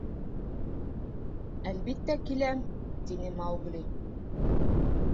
— Әлбиттә, киләм, — тине Маугли.